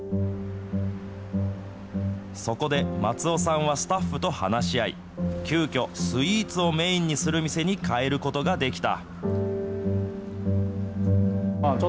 そこで、松尾さんはスタッフと話し合い、急きょ、スイーツをメインにする店に変えることができた。